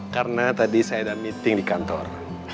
karena tadi saya ada meeting di kantor